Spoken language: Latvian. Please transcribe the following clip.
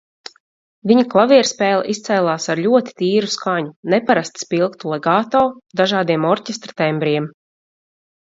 Viņa klavierspēle izcēlās ar ļoti tīru skaņu, neparasti spilgtu legato, dažādiem orķestra tembriem.